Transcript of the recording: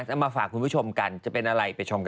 เอามาฝากคุณผู้ชมกันจะเป็นอะไรไปชมกัน